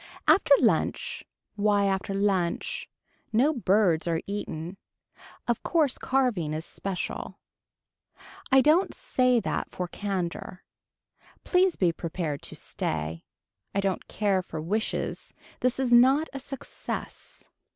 After lunch, why after lunch, no birds are eaten. Of course carving is special. I don't say that for candor. Please be prepared to stay. I don't care for wishes. This is not a success.